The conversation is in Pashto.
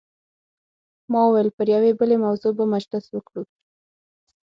ما وویل پر یوې بلې موضوع به مجلس وکړو.